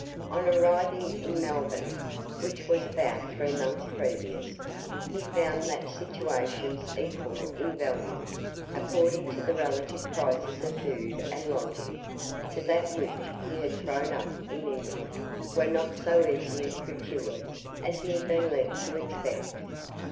On arriving in Melbourne (which was about three months previous), he found that situations equal in value, according to the relative prices of food and lodging, to that which he had thrown up in England were not so easily procured as he had been led to expect.